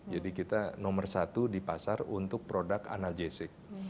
jadi kita nomor satu di pasar untuk produk analgesic